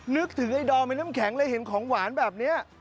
นึกถึงไอ้ดอมไอ้น้ำแข็งเลยเห็นของหวานแบบนี้